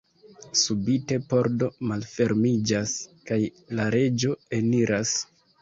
Subite pordo malfermiĝas, kaj la reĝo eniras.